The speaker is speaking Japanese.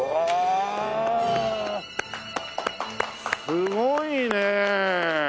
すごいね。